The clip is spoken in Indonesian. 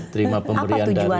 terima pemberian dari kakek neneknya